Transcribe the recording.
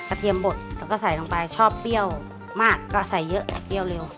เทียมบดแล้วก็ใส่ลงไปชอบเปรี้ยวมากก็ใส่เยอะเปรี้ยวเร็ว